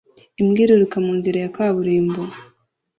Imbwa iriruka mu nzira ya kaburimbo